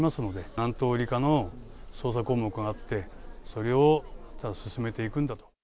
何とおりかの捜査項目があって、それをただ進めていくんだと。